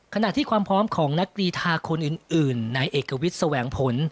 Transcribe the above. ขณะที่ความพร้อมของนักกรีธาคนอื่นนายเอกวิทย์แสวงผล